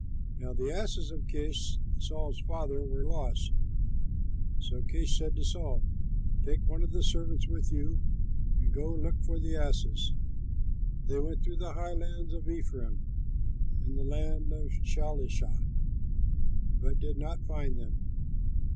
Now the asses of Kish, Saul's father, were lost. So Kish said to Saul, "Take one of the servants with you and go, look for the asses." They went through the highlands of Ephraim and the land of Shalishah, but did not find them.